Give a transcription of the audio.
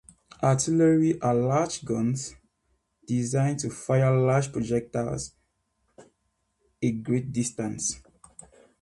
"Artillery" are large guns designed to fire large projectiles a great distance.